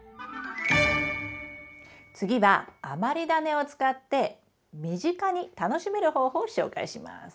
次は余りダネを使って身近に楽しめる方法を紹介します。